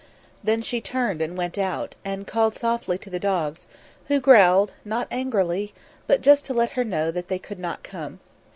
Then she turned and went out, and called softly to the dogs, who growled, not angrily, but just to let her know that they could not come.